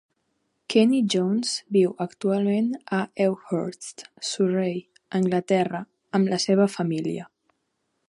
Kenney Jones viu actualment a Ewhurst, Surrey, Anglaterra, amb la seva família.